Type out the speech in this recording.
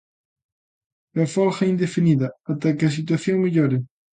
A folga é indefinida até que a situación mellore.